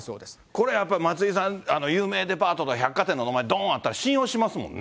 これやっぱ、松井さん、有名デパートとか百貨店の名前、どーんとあったら、信用しますもんね。